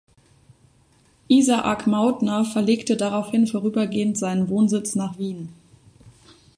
Isaak Mautner verlegte daraufhin vorübergehend seinen Wohnsitz nach Wien.